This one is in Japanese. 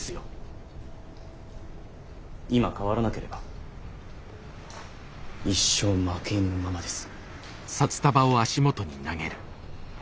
今変わらなければ一生負け犬のままです。